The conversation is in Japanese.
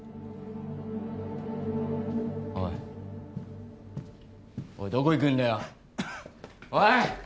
おいおいどこ行くんだよおい！